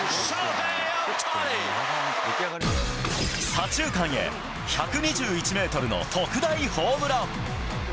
左中間へ１２１メートルの特大ホームラン。